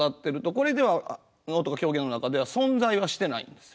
これでは能とか狂言の中では存在はしてないんですよ。